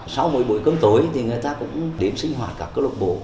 sau mỗi buổi cơm tối thì người ta cũng đến sinh hoạt cả câu lạc bộ